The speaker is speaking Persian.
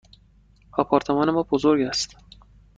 آپارتمان ما بزرگ است.